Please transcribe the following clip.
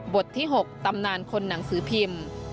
ที่๖ตำนานคนหนังสือพิมพ์